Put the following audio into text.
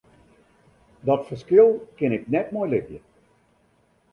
Dat ferskil kin ik net mei libje.